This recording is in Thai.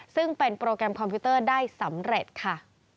ซึ่งเป็นโปรแกรมคอมพิวเตอร์ได้สำเร็จค่ะ